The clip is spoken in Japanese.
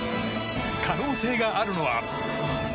可能性があるのは。